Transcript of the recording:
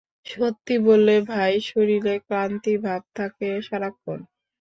সত্যি বললে ভাই, শরীরে ক্লান্তি ভাব থাকে সারাক্ষণ।